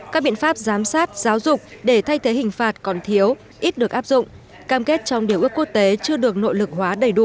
các biện pháp giám sát giáo dục để thay thế hình phạt còn thiếu ít được áp dụng cam kết trong điều ước quốc tế chưa được nội lực hóa đầy đủ